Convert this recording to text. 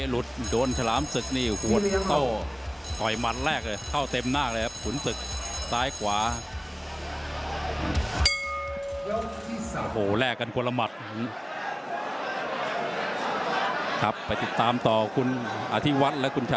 แล้วก็คุณศึกนี่เตะหลุด